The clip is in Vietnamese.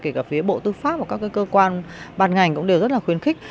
kể cả phía bộ tư pháp và các cơ quan bàn ngành cũng đều rất là khuyến khích